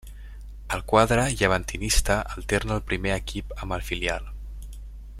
Al quadre llevantinista alterna el primer equip amb el filial.